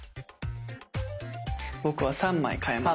僕は３枚換えます。